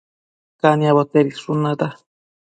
caniabo tedishun natiad